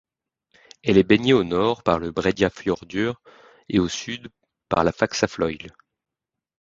Elle est baignée au nord par le Breiðafjörður et au sud par la Faxaflói.